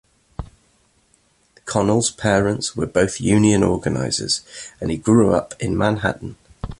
Conal's parents were both union organizers, and he grew up in Manhattan.